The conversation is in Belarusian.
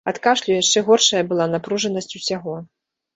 Ад кашлю яшчэ горшая была напружанасць усяго.